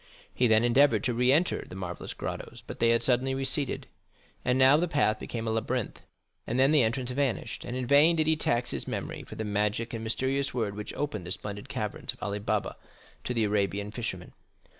He then endeavored to re enter the marvellous grottos, but they had suddenly receded, and now the path became a labyrinth, and then the entrance vanished, and in vain did he tax his memory for the magic and mysterious word which opened the splendid caverns of Ali Baba to the Arabian fisherman.